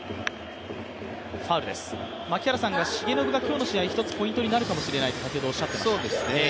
槙原さん、重信が今日の試合ポイントになるかもしれないと先ほどおっしゃっていました。